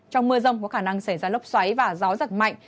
trong mưa rông có khả năng xảy ra lốc xoáy và gió giật mạnh